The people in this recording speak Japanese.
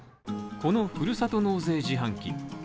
このふるさと納税自販機。